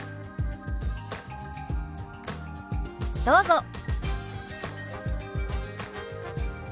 どうぞ。